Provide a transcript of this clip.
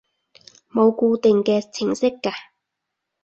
冇固定嘅程式㗎